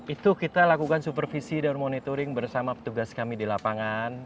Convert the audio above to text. itu kita lakukan supervisi dan monitoring bersama petugas kami di lapangan